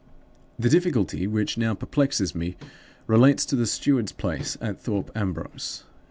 "The difficulty which now perplexes me relates to the steward's place at Thorpe Ambrose.